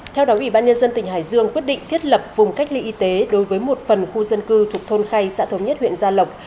theo đó ủy ban nhân dân tỉnh hải dương quyết định thiết lập vùng cách ly y tế đối với một phần khu dân cư thuộc thôn khay xã thống nhất huyện gia lộc